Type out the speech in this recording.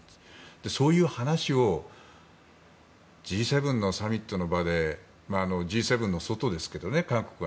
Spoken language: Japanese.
そういう話をＧ７のサミットの場でＧ７の外ですけどね、韓国は。